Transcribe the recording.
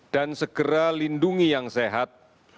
dan segera lindungi yang sehat